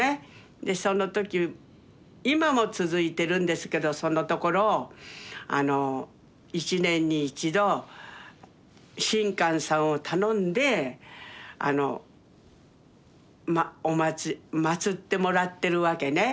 でその時今も続いてるんですけどそのところを一年に一度神官さんを頼んで祀ってもらってるわけね。